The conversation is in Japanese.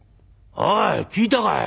おい聞いたかい？